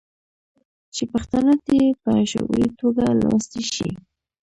چې پښتانه دې په شعوري ټوګه لوستي شي.